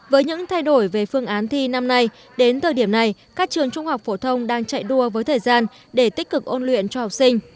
với những thay đổi về phương án thi năm nay đến thời điểm này các trường trung học phổ thông đang chạy đua với thời gian để tích cực ôn luyện cho học sinh